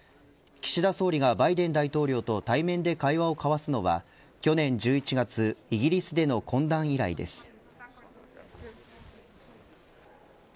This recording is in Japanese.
岸田総理がバイデン大統領と対面で会話を交わすのは去年１１月イギリスでの懇談以来です。